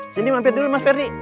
sini mampir dulu mas ferdi